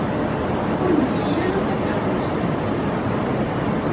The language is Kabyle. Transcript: Ur nesɛi ara takeṛṛust.